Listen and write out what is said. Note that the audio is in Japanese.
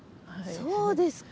そうですか。